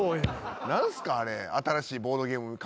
何すかあれ。